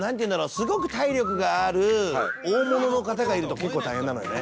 「すごく体力がある大物の方がいると結構大変なのよね」